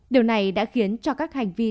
điều này đã khiến cho các hành vi